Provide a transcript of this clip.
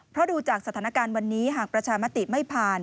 เพราะดูจากสถานการณ์วันนี้หากประชามติไม่ผ่าน